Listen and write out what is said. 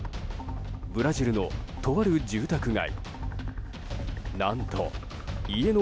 ブラジルのとある住宅街。